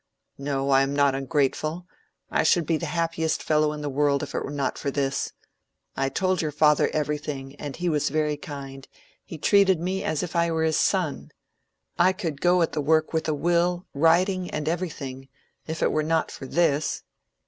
"No, I am not ungrateful; I should be the happiest fellow in the world if it were not for this. I told your father everything, and he was very kind; he treated me as if I were his son. I could go at the work with a will, writing and everything, if it were not for this."